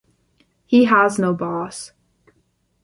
He has no boss.